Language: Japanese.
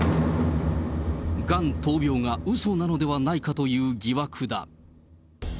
がん闘病がうそなのではないかという疑惑だ。